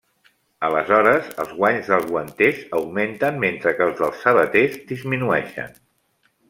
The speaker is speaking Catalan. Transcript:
Aleshores, els guanys dels guanters augmenten mentre que els dels sabaters disminueixen.